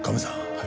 はい。